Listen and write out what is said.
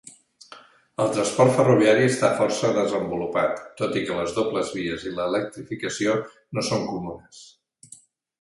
El transport ferroviari està força desenvolupat, tot i que les dobles vies i l'electrificació no són comunes.